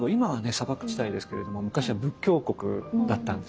砂漠地帯ですけれども昔は仏教国だったんですね。